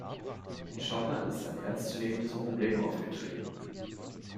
In Schottland ist ein ernst zu nehmendes Problem aufgetreten.